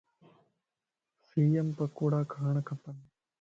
سيءَ مَ پڪوڙا کاڻ کپن